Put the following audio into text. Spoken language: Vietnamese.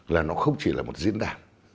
là nó không chỉ là một diễn đàn